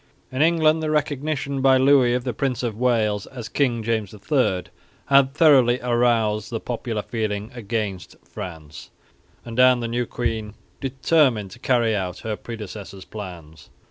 In England the recognition by Louis of the Prince of Wales as King James III had thoroughly aroused the popular feeling against France; and Anne the new queen determined to carry out her predecessor's plans.